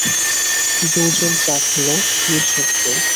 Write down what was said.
দু জল চা খেল নিঃশব্দে।